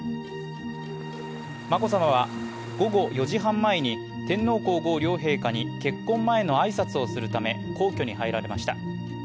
眞子さまは午後４時半前に天皇・皇后両陛下に結婚前の挨拶をするため皇居に入られました。